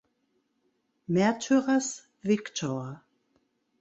Märtyrers Victor.